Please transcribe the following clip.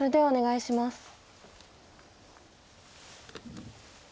お願いします。